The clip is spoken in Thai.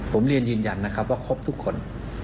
ผมเรียนยืนยันนะครับว่าครบทุกคน